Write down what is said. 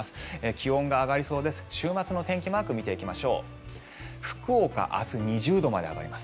気温が上がりそうです。